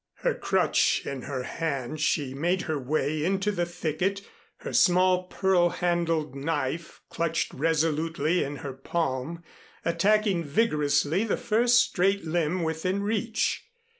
Her crutch in her hand she made her way into the thicket, her small pearl handled knife clutched resolutely in her palm, attacking vigorously the first straight limb within reach.